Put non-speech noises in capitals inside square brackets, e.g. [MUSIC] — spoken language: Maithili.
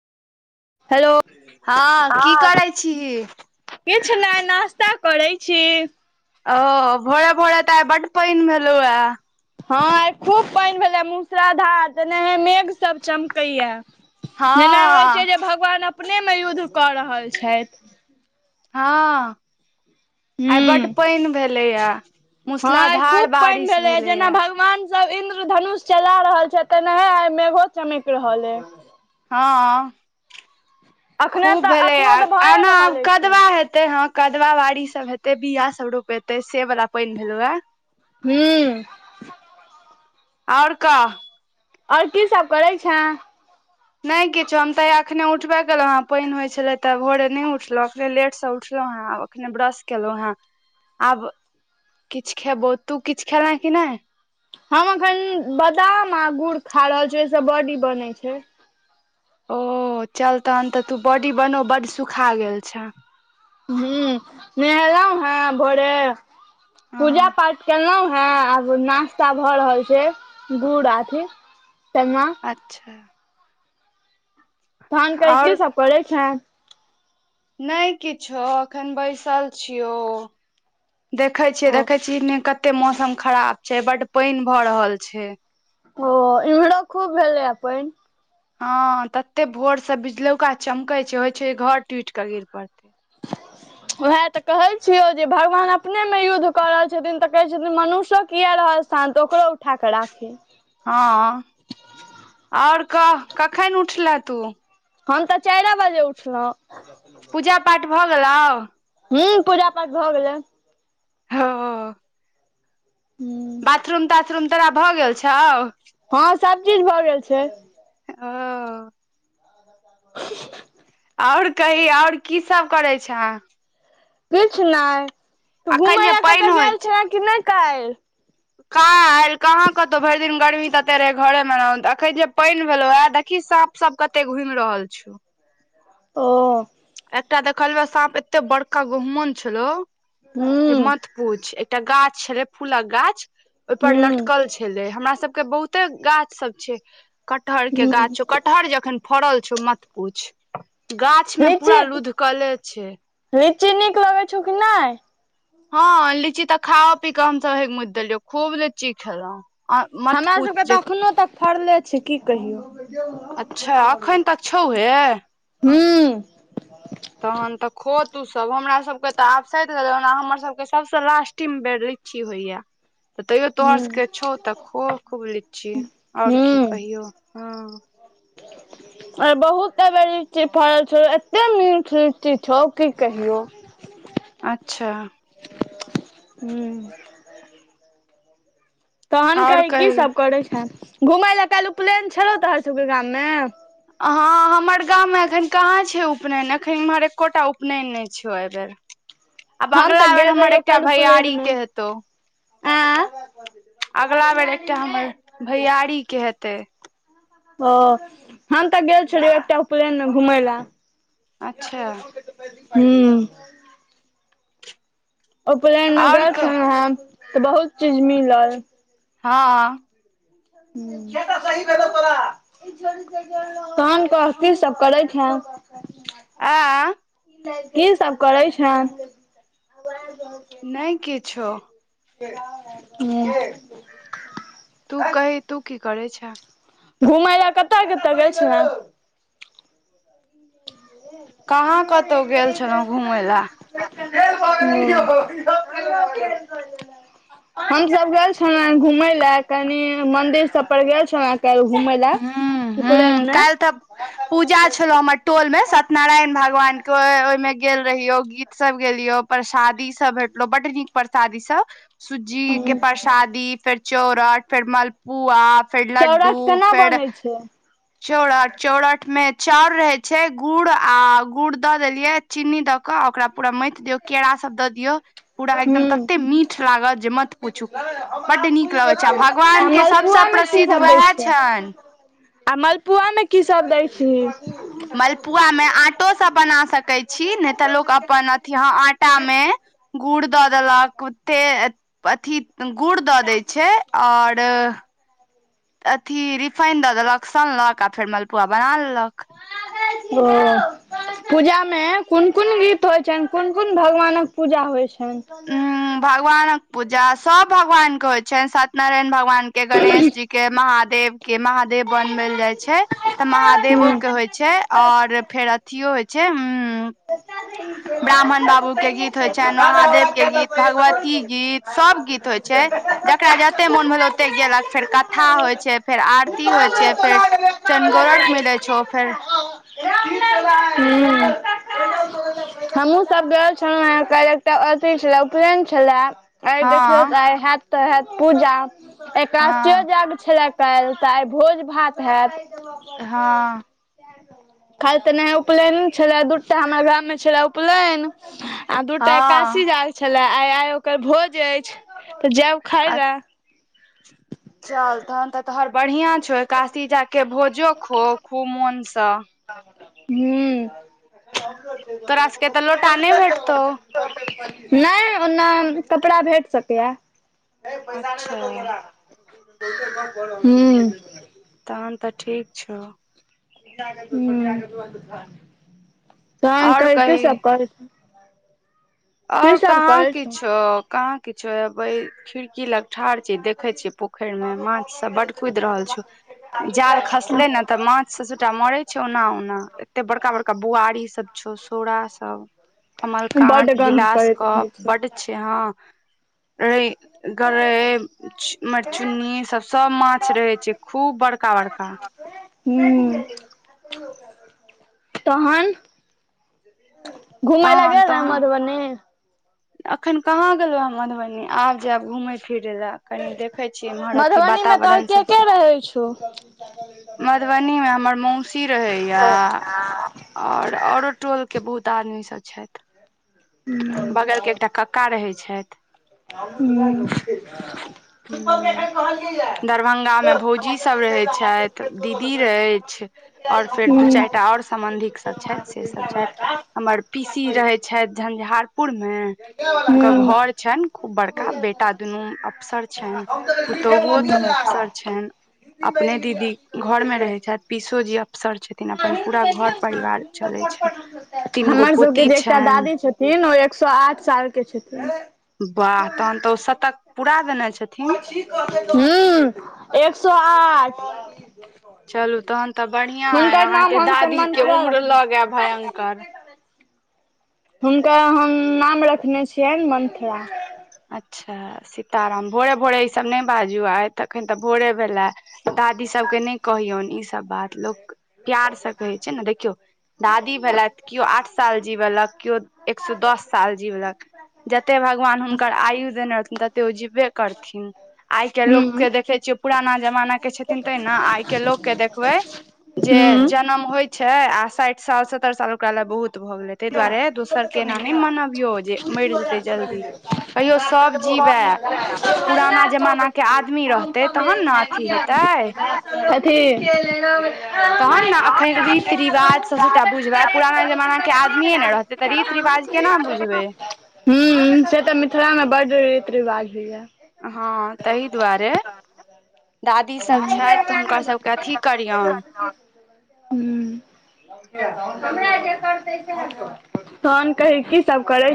हेलो हँ की करै छीही किछु नहि नास्ता करै छी ओ भोरे भोरे तय बड पैन भेलेल उए हँ आयखूब पइन भेलै मुसलाधार तने मेघ सब चमकैया जेना होइ छै हँ जे भगवान अपनेमे युद्ध कऽ रहल छथि हँ आइ बड्ड हूँ पइन भेलेया हँ आइ मूसलाधार खूब पानि बारिश भेलै जेना भेलैया भगवान सब इंन्द्र धनुष चला रहल छै तनाही आइ मेघो चमक रहल हे हँ अखने खूब तऽ भेलै आ अखनो तऽ भए एना आब रहल अछि कदबा हेतै हते हँ कदवा बाड़ी सब हेते बियाा सब रोपेते से वालला पानि भेल हे हू आओर क आओर की सब करै छैं नहि किछो हम तऽ एखने उठबे केलहुँ हेँ पइन होइ छलै तऽ भोरे नहि उठलहुँ अखने लेटसँ उठलहुँ हं आब अखने ब्रश केलहु हें आब किछु खेबौ तू किछ खेले की नहि हम अखन बादाम आ गुड़ खा रहल छी ओहिस बॉडी बनय छै ओ चल तहन तऽ तू बॉडी बनो बड्ड सुखा गेल छैं हू नहेलौं हैं भोरे पूजा हँ पाठ केेलहुं हैं आब नास्ता भऽ रहल छै गुड़ आ अथी चना अच्छा धन कै की आओर सब पड़ै छनि नहि किछो अखन बैसल छियौ देखै छियै ओ देखै चीने कते मौसम खराब छै बड पइन भऽ रहल छै ओ इम्हरो खूब भलैय अपन हँ तते भोर से बिजलौका चमकै छै होइ छै घर टूट के गिर पड़ते [INAUDIBLE] उएह तऽ कहय छियौ जे भगवान अपने मे युद्ध कऽ रहल छथिन तऽ कहे छथिन मनुष्यो किया रहल शान्त ओकरो उठाकऽ राखी हँ आओर कह कखन उठले तू हम तऽ चाइरे बजे उठलहुँ पूजा पाठ भऽ गेल आउ हूँ पूजा पाठ भऽ गेलै हँ बाथरूम ताथरूम तोरा भऽ गेल छौ हँं सब चीज भऽ गेल छै अं [INAUDIBLE] आओर कही आओर की सब करै छ किछ नहि तू अखन घुमय जे ला पानि कतऽ होइ गेल छे कि नहि काल्हि कायल कहाँ कतौ भरि दिन गर्मी तते रहै घरेमे रह तऽ अखन जे पानि भेल उएह देखी साँप सब कते घुमि रहल छ ओ एकटा देखलुय साँप एते बड़का गहुमन छलो जे हुं मत पूछ एकटा गाछ छले फूलक गाछ ओहि पर हुं लटकल छै ले हमरा सब के बहुते गाछ सब छै कटहर के हुं गाछ कटहर जखन फड़ल छउ मत पुछ गाछ में लीची पूरा लुधकले छै लीची नीक लगै छौ कि नहि हँ लीची तऽ खा ओ पी कऽ हमसब हेगमुद देलियौ खूब लीची खेलों हमरा सबके तऽ अखनो तक फरले छै की कहियौ अच्छा अखन तऽ अच्छौ हए हू तहन तऽ खो तू सब हमरा सबके तऽ आब सत गेले ओना हमर सब के सबस लास्टिंग बे लीची होइया [INAUDIBLE] त तैयो तोहर हुं सबके छौ तऽ खो खूब लीची और की हुं कहियौ हं [INAUDIBLE] अय बहुत एबे लीची फरल छौ एते मीठ लीची छौ की कहियौ अच्छा हूँ तहन आओर कहि की कही सब करै छें घूमय ला काल्हि उपलैन छलौ तोहर सबके गाम मे हां हमर गाम मे एखन कहाँ छै उपनयन एखन एम्हर एकोटा उपनयन नइ छौ अइ बेर आब हम तऽ अगला बेर गेल हमर रहियौ एकटा भैयारी के हेतौ ऐं अगला बेर एकटा हमर भैयारी के हेतै ओ हम तऽ गेल छलिअइ एकटा उपलैन मे घुमै ला अच्छा हूं उपलैन मे आओर गेल क छलौं हें तऽ बहुत चीज मिलल हँ कै टा सही भेलौ तोरा तहन कह की सब करै छें आँ की सब करै छें नइ किछो हूं तू कहि तू की करै छें घुमय लऽ कतऽ कतऽ गेल छला कहाँ कतौ गेल छलहुँं घुमय ला हूं हमसब गेल छलौं घूमय लए कनि मंदिर सब पर गेल छलौं काइल्ह घुमैला उपलैन मे तबऽ पूजा छलौ हमर टोल में सत्यनारायण भगवान के ओय ओइमे गेल रहियो गीत सब गेलियो परसादी सब भेटलौ बड नीक परसादी सब सुज्जी के हूं परसादी फेर चोरठ फेर मलपुआ फेर लड्डू चौरठ केना फेर बनै छै चौरठ चौरठ मे चाउर रहै छै गुड़ आ गुड़ दऽ देलियै चीन्नी द कऽ ओकरा पूरा मइथ दियऔ केरासब दऽ दियऔ पूरा एकदम हूं ततेक मीठ लागत जे मत पूछू बड्ड नीक लगै छै आ आ भगवानके सबसँ मलपुआ मे की प्रसिद्ध सब दै उएह छै छनि आ मलपुआमे की सब दै छी मलपुआ मे आंटो स बना सकै छी नइ तऽ लोक अपन अथि ह आटा मे गूड़ द देलक ते अथी गुड़ दऽ दै छै और अथी रिफाइन दऽ देलक सनलक आ फेर मलपुआ बना लेलक ओ पूजामे कोन कोन गीत होइ छनि कुन कुन भगवानक पूजा होइ छनि अं भगवानक पूजा सब भगवान के होइ छनि सत्य नारायण भगवान के गणेश जी के महादेव के महादेव बनवेल जाय छै तऽ महादेवो हूँ। के होइ छै और फेर अथियो होइ छै उ ब्राह्मण बाबू के गीत होय छैन महादेव के गीत भगवती गीत सब गीत होइ छै जकरा जते मोन भेल ओते गेलक फेर कथा होइ छै फेर आरती होइ छै फेर चनगोरठ मिलै छौ फेर हू मु सब गेल छलौ हें काल एकटा अथी छला उपनैन छला आ देखियो हँ आई हैत त हैत पूजा एकादिशो हँ यज्ञ छला काल्हि तऽ आइ भोज भात होयैत हँ काइल्ह तऽ नहि उपलैन छलै दू टा हमरा गाममे छलए उपनय आ दूटा एकादाशी हँ जाग छले आइ आइ ओकर भोज अछि तऽ जायब खाय अ लय चल तहन तऽ तोहर बढ़ियां छौ एकाशी जाग के भोजो खो खूब मोनसँ ह्म तोरासके तऽ लोटा नहि भेटतौ नहि ओना कपड़ा भेट सकैया अच्छा हम्म तहन तऽ ठीक छौ तहन कही की सब कर ओर कहाँ करै छी किछो कहाँ किछो खिड़की की लग ठाढ़ छी देखे छियै पोखरि मे माछ सब बड कुदि रहल छौ जाल खसले ने तऽ माछ से सबटा मरै छै ओना ओना एते बड़का बड़का बुआरी सब छौ सोड़ा सब कमलकांट बड्ड गन्ध गिलास करैत रहै कप बड छै हं रै गरे च मरचुन्नी ईसभ सभ माछ रहैत छै खूब बड़का बड़का हू तहन घुमय लए तहन गेल रहे तहन मधुबनी अखन कहाँ गेलहुँ मधुबनी आब जायब घुमय फिरय लए कनि देखै छियै इम्हर अथी मधुबनी मे तोहर वातावरण के के सबसँ रहै छौ मधुबनीमे हमर मौसी रहैय हँ और औरो टोल के बहुत आदमी सब छथि बगल के एकटा कक्का रहै छथि हम्म हूँ दरभंगा मे भौजी सब रहे छथि दीदी रहै और फेर दू चारिटा और सम्बंधिक सब छथि से सब छथि हमर पीसी रहै छथि झंझारपुर मे हुनकर घर छनि खूब बड़का बेटा दुनू अफसर छन्हि पुतहु दुनू अफसर छनि अपने दीदी घर में रहे छथि पीसो जी अफसर छथि त अपन पूरा घर परिवार चले छनि तीन गो पोती छनि ह न एक सए आठ साल के छथिन वाह तहन तऽ ओ शतक पुरा देने छै ह्म एक सो आठ चलू तहन तऽ बढ़ियां अइ हुनकर नाम अहाँके हमसभ दादी के मन्त्रा उम्र रखने लऽ गेल छी भयंकर हुनका हम नाम रखने छियनि मंथरा अच्छा सीताराम भोरे भोरे ईसभ नहि बाजू आइ तखन तऽ भोरे भेलै दादी सबके नहि कहियौन ई सब बात लोक प्यार से कहै छै ने देखियौ दादी भेलथि केओ आठ साल जीवलक केओ एक सए दस साल जीवलक जते भगवान हुन कर आयु देने रहथिन तते ओ जीबे करथिन आइ के लोक हूँ के देखे छिय पुराना जमाना के छथिन तैं न आइ के लोक के देखबै जे हूँ जनम होय छै आ साइठ साल सत्तर साल ओकरा ले बहुत भऽ गेले तइ दुआरे दोसर के एना नहि मनबियौ जे मरि जेतै जल्दी कहियो सब जीवै पुराना जमाना के आदमी रहतै तहन न थी हेतय कथी तहन न अखन रीति रिवाज सब सबटा बुझबै पुराना जमाना के आ निये ने रहतै तऽ रीत रिवाज केना बुझबै हं से तऽ मिथिलामे बड्ड रीति रिवाज होइया हँ तहि दुआरे दादी सब छथि तऽ हुनका सबके अथी करियौन हं हमरा जे करतै तोन कही की सब करै